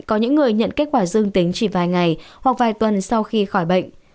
có những người nhận kết quả dương tính chỉ vài ngày hoặc vài tuần sau khi khỏi bệnh